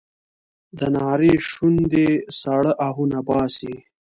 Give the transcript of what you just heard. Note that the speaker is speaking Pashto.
د نغري شوندې ساړه اهونه باسي